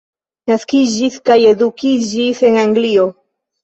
Naskiĝis kaj edukiĝis en Anglio.